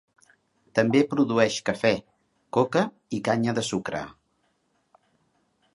També produeix cafè, coca i canya de sucre.